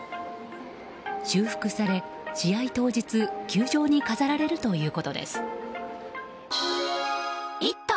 修復され、試合当日球場に飾られるということです。